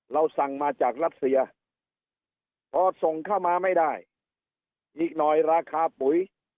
เราสั่งมาจากรัสเซียพอส่งเข้ามาไม่ได้อีกหน่อยราคาปุ๋ย